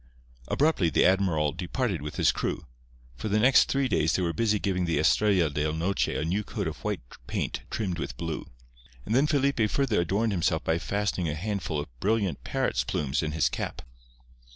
Abruptly the admiral departed with his crew. For the next three days they were busy giving the Estrella del Noche a new coat of white paint trimmed with blue. And then Felipe further adorned himself by fastening a handful of brilliant parrot's plumes in his cap.